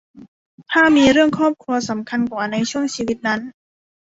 ถ้ามีเรื่องครอบครัวสำคัญกว่าในช่วงชีวิตนั้น